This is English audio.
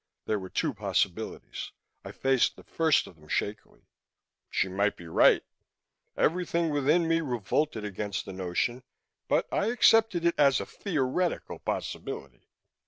There were two possibilities. I faced the first of them shakily she might be right. Everything within me revolted against the notion, but I accepted it as a theoretical possibility.